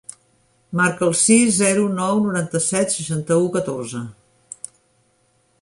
Marca el sis, zero, nou, noranta-set, seixanta-u, catorze.